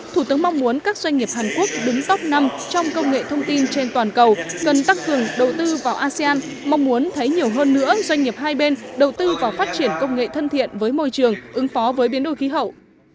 thủ tướng mong muốn các doanh nghiệp hàn quốc đứng tốc năm trong công nghệ thông tin trên toàn cầu cần tăng cường đầu tư vào asean mong muốn thấy nhiều hơn nữa doanh nghiệp hai bên đầu tư vào phát triển công nghệ thân thiện với môi trường ứng phó với biến đổi khí hậu